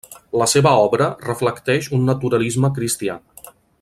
La seva obra reflecteix un naturalisme cristià.